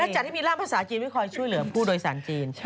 และจากที่มีร่างภาษาจีนไม่ค่อยช่วยเหลือผู้โดยสารจีน